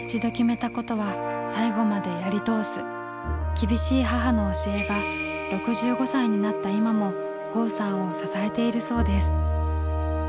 厳しい母の教えが６５歳になった今も郷さんを支えているそうです。